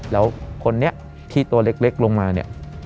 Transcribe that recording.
แล้วคนนี้ที่ตัวเล็กลงมาเนี่ย